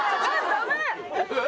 ダメ！